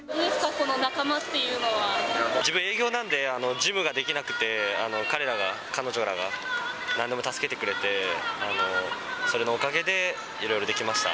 この仲間ってい自分、営業なんで、事務ができなくて、彼ら、彼女らがなんでも助けてくれて、それのおかげでいろいろできました。